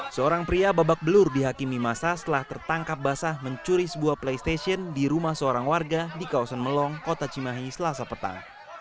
seorang pria babak belur dihakimi masa setelah tertangkap basah mencuri sebuah playstation di rumah seorang warga di kawasan melong kota cimahi selasa petang